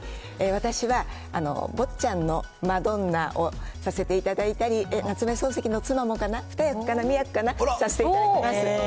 私は坊っちゃんのマドンナをさせていただいたり、夏目漱石の妻もかな？２役かな、３役かな、させていただきます。